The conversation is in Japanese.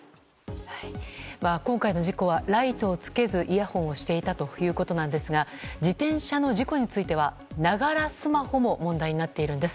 今回の事故はライトをつけずイヤホンをしていたということなんですが自転車の事故についてはながらスマホを問題になっているんです。